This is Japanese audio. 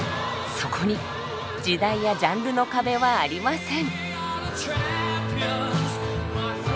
そこに時代やジャンルの壁はありません。